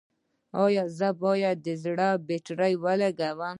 ایا زه باید د زړه بطرۍ ولګوم؟